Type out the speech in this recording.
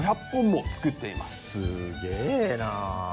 すげえな。